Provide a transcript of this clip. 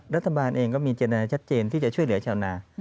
รัฐบาลเองก็มีเจตนาชัดเจนที่จะช่วยเหลือชาวนา